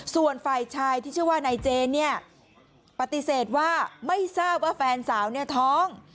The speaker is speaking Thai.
ส่วนฝ่ายชายที่ชื่อว่านายเจนเนี่ยปฏิเสธว่าไม่ทราบว่าแฟนสาวเนี่ยท้อง